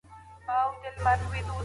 چارواکي به د سولي خبري وکړي.